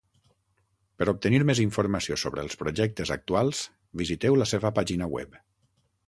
Per obtenir més informació sobre els projectes actuals, visiteu la seva pàgina web.